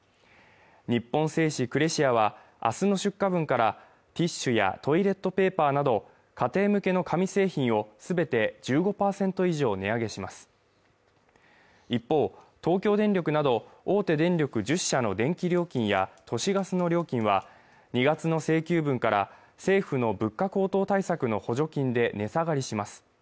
日本製紙クレシアは明日の出荷分からティッシュやトイレットペーパーなど家庭向けの紙製品を全て１５％以上値上げします一方、東京電力など大手電力１０社の電気料金や都市ガスの料金は２月の請求分から政府の物価高騰対策の補助金で値下がりします